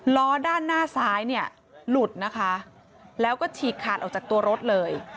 ล้อด้านหน้าซ้ายเนี่ยหลุดนะคะแล้วก็ฉีกขาดออกจากตัวรถเลย